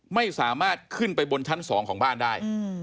ไม่สามารถขึ้นไปบนชั้น๒ของบ้านได้